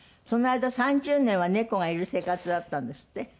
その間３０年は猫がいる生活だったんですって？